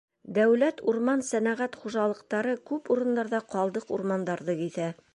Дәүләт урман-сәнәғәт хужалыҡтары күп урындарҙа ҡалдыҡ урмандарҙы киҫә.